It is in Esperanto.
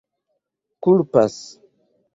kulpas